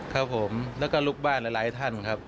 ครับผมแล้วก็ลูกบ้านหลายท่านครับ